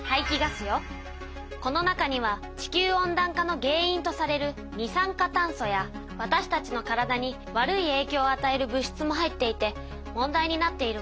この中には地球温だん化の原いんとされる二酸化炭素やわたしたちの体に悪いえいきょうをあたえる物しつも入っていて問題になっているわ。